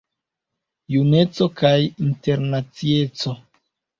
Juneco kaj internacieco.